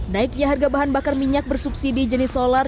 naiknya harga bahan bakar minyak bersubsidi jenis solar